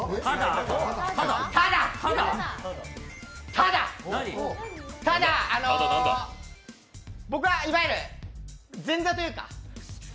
ただ、ただ僕はいわゆる前座というか。